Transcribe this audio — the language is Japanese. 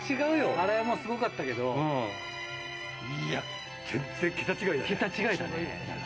あれもすごかったけど全然、桁違いだね。